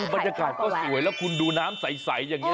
บรรยากาศก็สวยแล้วคุณดูน้ำใสอย่างนี้